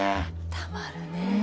たまるね。